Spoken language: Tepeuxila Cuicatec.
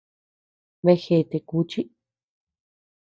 Bea gèète kuchi.